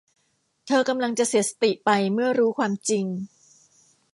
เธอกำลังจะเสียสติไปเมื่อรู้ความจริง